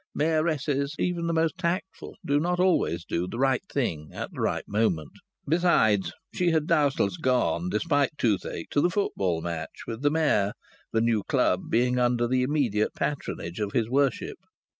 Mayoresses, even the most tactful, do not always do the right thing at the right moment. Besides, she had doubtless gone, despite toothache, to the football match with the Mayor, the new club being under the immediate patronage of his Worship.